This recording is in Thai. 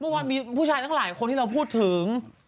เมื่อวานมีผู้ชายทั้งหลายคนที่เราพูดถึง